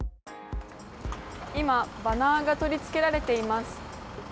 バナーが取り付けられています。